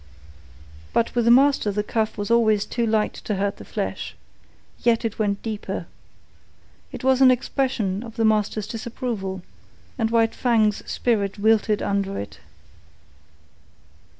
But with the master the cuff was always too light to hurt the flesh. Yet it went deeper. It was an expression of the master's disapproval, and White Fang's spirit wilted under it.